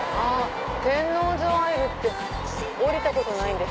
天王洲アイルって降りたことないんです。